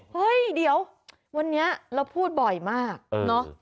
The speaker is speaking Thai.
เฮ้ยเดี๋ยววันนี้เราพูดบ่อยมากเนอะ